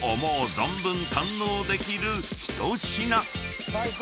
存分堪能できる一品］